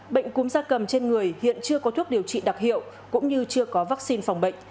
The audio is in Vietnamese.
bệnh cúm da cầm trên người hiện chưa có thuốc điều trị đặc hiệu cũng như chưa có vaccine phòng bệnh